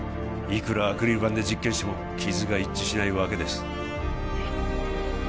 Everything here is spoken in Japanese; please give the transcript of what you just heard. いくらアクリル板で実験しても傷が一致しないわけです